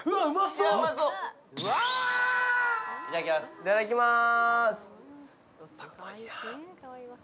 いただきまーす。